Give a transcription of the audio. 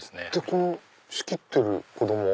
この仕切ってる子供は？